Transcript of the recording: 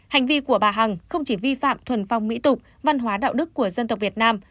hành vi của bà hằng không chỉ vi phạm thuần phong mỹ tục văn hóa đạo đức của dân tộc việt nam